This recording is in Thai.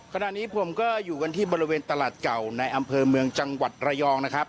ขณะนี้ผมก็อยู่กันที่บริเวณตลาดเก่าในอำเภอเมืองจังหวัดระยองนะครับ